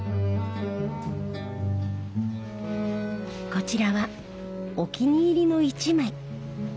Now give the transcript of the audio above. こちらはお気に入りの１枚。